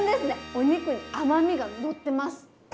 お肉に甘みがのってますはい。